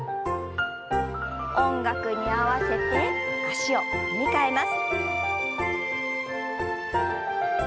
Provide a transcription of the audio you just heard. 音楽に合わせて足を踏み替えます。